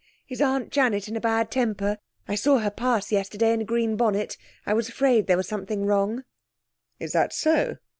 Is Aunt Janet in a bad temper? I saw her pass yesterday in a green bonnet. I was afraid there was something wrong.' 'Is that so?